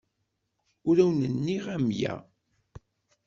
Ur awen-nniɣ amya.